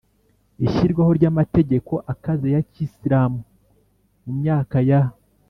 Ishyirwaho ry’amategeko akaze ya kisilamu mu myaka ya